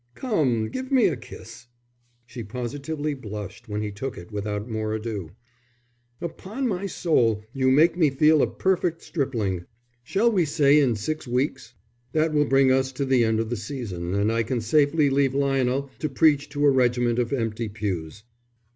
"Come, give me a kiss." She positively blushed when he took it without more ado. "Upon my soul, you make me feel a perfect stripling. Shall we say in six weeks? That will bring us to the end of the season, and I can safely leave Lionel to preach to a regiment of empty pews."